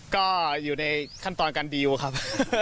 ก็อยู่ในขั้นตอนการดีลครับ